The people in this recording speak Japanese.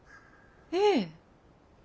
ええ。